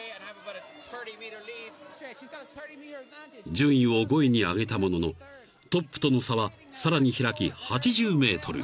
［順位を５位に上げたもののトップとの差はさらに開き８０ｍ］